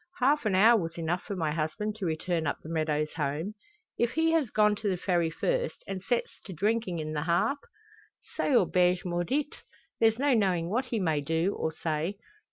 Half an hour was enough for my husband to return up the meadows home. If he has gone to the Ferry first, and sets to drinking in the Harp? Cette auberge maudit. There's no knowing what he may do, or say.